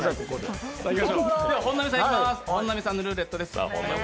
本並さんのルーレットです。